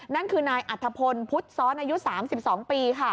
นั่นคือนายอัธพลพุทธซ้อนอายุ๓๒ปีค่ะ